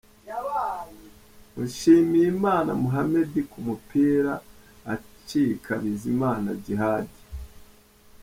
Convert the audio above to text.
Mushimiyimana Mohammed ku mupira acika Bizimana Djihad.